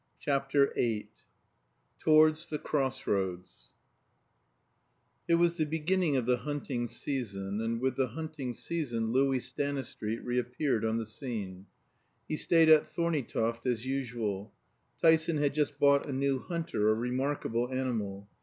CHAPTER VIII TOWARDS "THE CROSS ROADS" It was the beginning of the hunting season, and with the hunting season Louis Stanistreet reappeared on the scene. He stayed at Thorneytoft as usual. Tyson had just bought a new hunter, a remarkable animal.